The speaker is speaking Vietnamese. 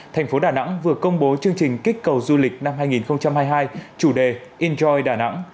thành phố đà nẵng vừa công bố chương trình kích cầu du lịch năm hai nghìn hai mươi hai chủ đề indroid đà nẵng